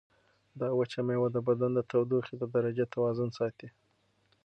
دا وچه مېوه د بدن د تودوخې د درجې توازن ساتي.